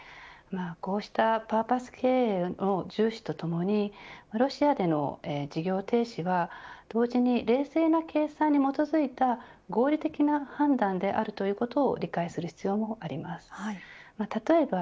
こうしたパーパス経営の重視とともにロシアでの事業停止は同時に冷静な計算に基づいた合理的な判断であるということを理解する必要もあります。